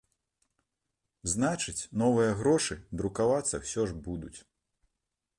Значыць, новыя грошы друкавацца ўсё ж будуць.